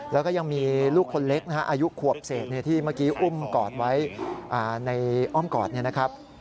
แล้วก็ยังมีลูกคนเล็กนะฮะอายุขวบเศษที่เมื่อกี้อุ้มกอดไว้ในอ้อมกอดเนี่ยนะครับ